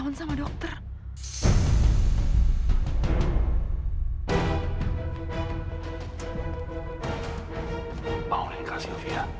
aku cuma pengen tahu aja